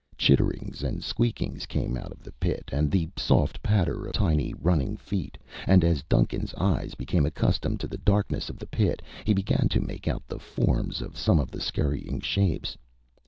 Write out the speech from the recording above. Chitterings and squeakings came out of the pit and the soft patter of tiny running feet, and as Duncan's eyes became accustomed to the darkness of the pit, he began to make out the forms of some of the scurrying shapes.